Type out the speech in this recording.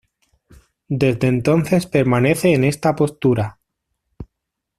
Desde entonces permanece en esta postura.